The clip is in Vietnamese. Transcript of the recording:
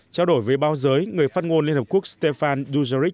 trao đổi với bao giới người phát ngôn liên hợp quốc stefan dujaric